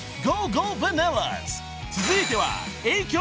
［続いては］